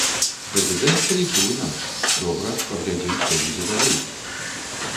Прэзідэнт палічыў інакш, добра, паглядзім, што будзе далей.